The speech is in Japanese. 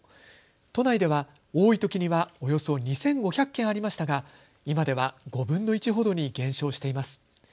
都内では多いときにはおよそ２５００軒ありましたが今では５分の１ほどに減少しています。